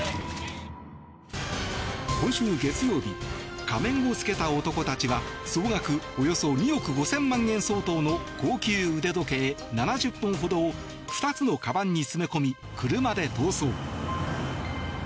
今週月曜日仮面を着けた男たちが総額およそ２億５０００万円相当の高級腕時計７０本ほどを２つのかばんに詰め込み車で逃走。